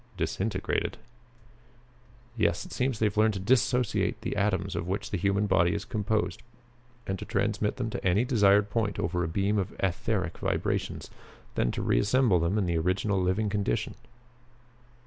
"Disintegrated?" "Yes. It seems they have learned to dissociate the atoms of which the human body is composed and to transmit them to any desired point over a beam of etheric vibrations, then to reassemble them in the original living condition."